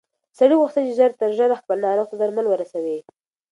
سړي غوښتل چې ژر تر ژره خپل ناروغ ته درمل ورسوي.